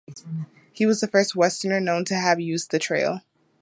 He was the first westerner known to have used the trail.